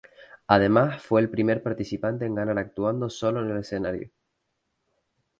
Además fue el primer participante en ganar actuando solo en el escenario.